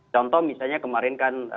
contoh misalnya kemarin kan